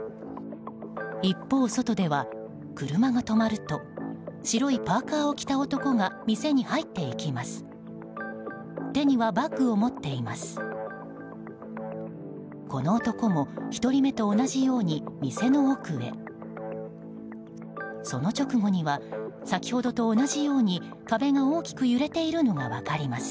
一方、外では、車が止まると白いパーカを着た男が店に入っていきます。